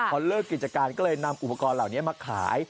พอเลิกกิจการก็เลยนำอุปกรณ์เหล่านี้มาขาย